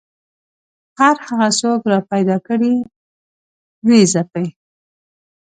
هر هغه څوک راپیدا کړي ویې ځپي